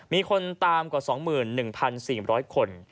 มีคนตามกว่า๒๑๔๐๐คน